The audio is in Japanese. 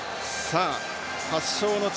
発祥の地